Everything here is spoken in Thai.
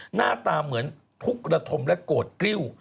หน้าตาเหมือนทุกระทมและโกรธกริ้ว